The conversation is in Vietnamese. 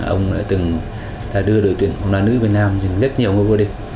ông đã từng đưa đội tuyển bóng đá nữ việt nam thành rất nhiều ngôi vô địch